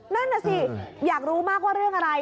นั่นน่ะสิอยากรู้มากว่าเรื่องอะไร